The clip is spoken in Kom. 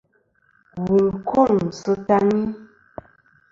Wù n-kôŋ sɨ taŋi.